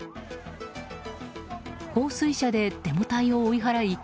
放水車でデモ隊を追い払い